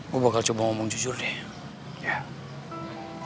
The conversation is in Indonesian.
gue bakal coba ngomong jujur deh